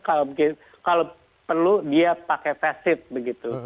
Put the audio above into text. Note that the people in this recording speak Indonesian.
kalau perlu dia pakai facet